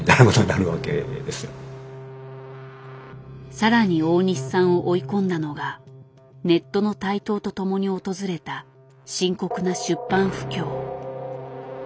さらに大西さんを追い込んだのがネットの台頭とともに訪れた深刻な出版不況。